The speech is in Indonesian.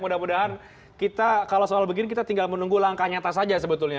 mudah mudahan kita kalau soal begini kita tinggal menunggu langkah nyata saja sebetulnya